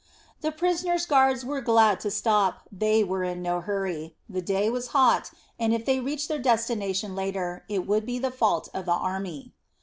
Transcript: The prisoners' guards were glad to stop, they were in no hurry. The day was hot, and if they reached their destination later, it would be the fault of the army.